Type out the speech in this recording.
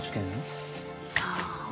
さあ。